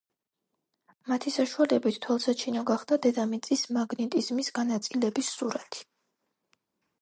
მათი საშუალებით თვალსაჩინო გახდა დედამიწის მაგნიტიზმის განაწილების სურათი.